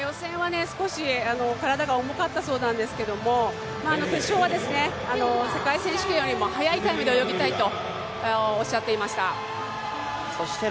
予選は、少し体が重かったそうなんですが決勝は、世界選手権よりも速いタイムで泳ぎたいとおっしゃっていました。